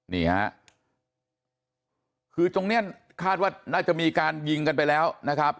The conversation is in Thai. นี่ฮะคือตรงนี้คาดว่าน่าจะมีการยิงกันไปแล้วนะครับ